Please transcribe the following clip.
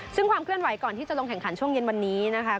ซึ่งความเคลื่อนไหวก่อนที่จะลงแข่งขันช่วงเย็นวันนี้นะคะ